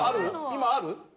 今ある？